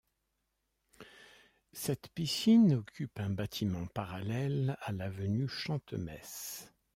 Cette piscine occupe un bâtiment parallèle à l’avenue Chantemesse.